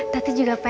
tati juga pengen